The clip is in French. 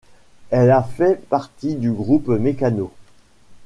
Elle a fait partie du groupe Mecano.